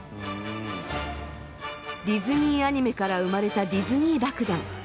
ディズニーアニメから生まれたディズニー爆弾。